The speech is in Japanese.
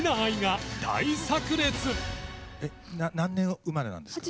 何年生まれなんですか？